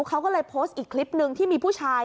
เขาก็เลยโพสต์อีกคลิปหนึ่งที่มีผู้ชาย